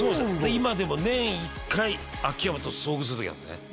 今でも年１回秋山と遭遇する時あるんですね